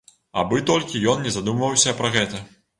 Абы толькі ён не задумваўся пра гэта.